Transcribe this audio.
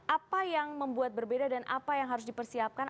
apa yang membuat berbeda dan apa yang harus dipersiapkan